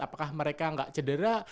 apakah mereka gak cedera